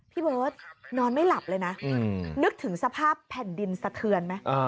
พี่เบิร์ตนอนไม่หลับเลยนะนึกถึงสภาพแผ่นดินสะเทือนไหม